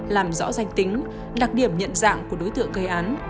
làm rõ danh tính đặc điểm nhận dạng của đối tượng gây án